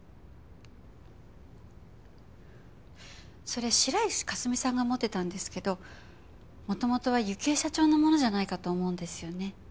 それ白石佳澄さんが持ってたんですけど元々は幸恵社長のものじゃないかと思うんですよね。